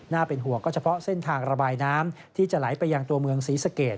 เป็นห่วงก็เฉพาะเส้นทางระบายน้ำที่จะไหลไปยังตัวเมืองศรีสเกต